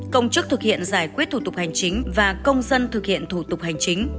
công chức thực hiện giải quyết thủ tục hành chính và công dân thực hiện thủ tục hành chính